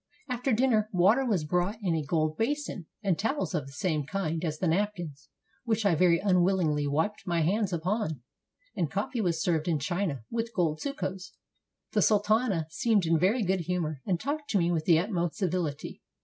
After dinner, water was brought in a gold basin, and towels of the same kind as the napkins, which I very unwillingly wiped my hands upon; and coffee was served in china, with gold sou coupes. The sultana seemed in very good humor, and talked to me with the utmost civility.